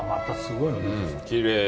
きれい。